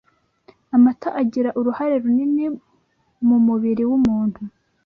amata agira uruhare runini m’umubiri w’ umuntu